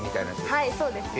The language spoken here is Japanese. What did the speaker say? はいそうですね。